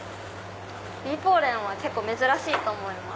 ビーポーレンは珍しいと思います。